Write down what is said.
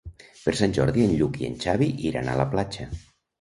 Per Sant Jordi en Lluc i en Xavi iran a la platja.